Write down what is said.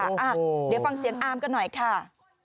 เดี๋ยวฟังเสียงอามกันหน่อยค่ะ